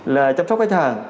là chăm sóc khách hàng